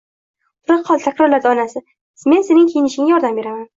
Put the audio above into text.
Turaqol, takrorladi onasi, men sening kiyinishingga yordam beraman